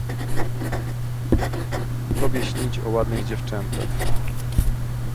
"Tobie śnić o ładnych dziewczętach!"